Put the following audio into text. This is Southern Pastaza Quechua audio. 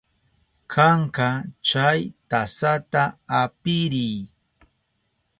Kanka, chay tasata apiriy.